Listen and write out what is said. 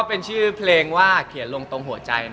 เป็นชื่อเพลงว่าเขียนลงตรงหัวใจ